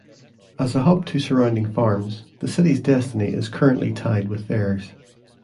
As a hub to surrounding farms, the city's destiny is currently tied with theirs.